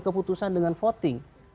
keputusan dengan voting